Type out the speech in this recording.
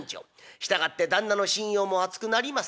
従って旦那の信用も厚くなります。